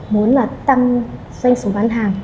muốn là tăng doanh sống bán hàng